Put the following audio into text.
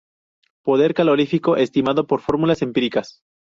Poder calorífico, estimado por fórmulas empíricas.